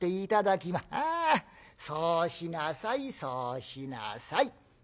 「ああそうしなさいそうしなさい。